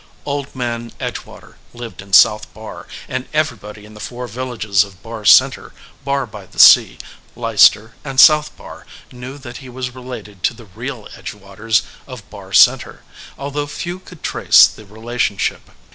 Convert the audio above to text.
Old Man Edgewater lived in South Barr, and everybody in the four villages of Barr Center, Barr by the Sea, Leicester, and South Barr knew that he was related to the real Edgewaters of Barr Center, although few could trace the relationship.